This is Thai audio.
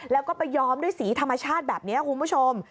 แล้วก็ไปย้อมด้วยสีธรรมชาติแบบนี้คุณผู้ชม